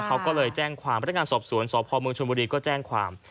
เขาก็เลยแจ้งความประธานการณ์สอบสวนสพมชุนบุรีก็แจ้งความ